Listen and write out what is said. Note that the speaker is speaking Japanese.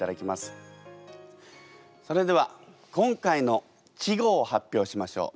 それでは今回の稚語を発表しましょう。